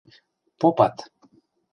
Попат.